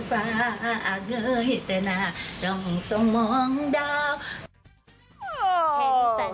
ถ้าง่ายช่วยหน้าพาดบิ๊ฟเนิก